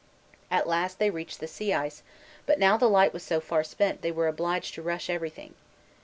At last they reached the sea ice, but now the light was so far spent they were obliged to rush everything.